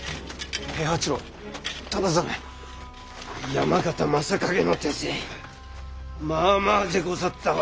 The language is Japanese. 山県昌景の手勢まあまあでござったわ。